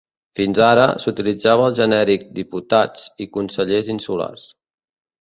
Fins ara, s’utilitzava el genèric ‘diputats’ i ‘consellers insulars’.